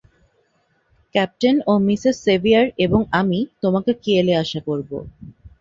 Captain ও Mrs Saviour এবং আমি তোমাকে কিয়েল-এ আশা করব।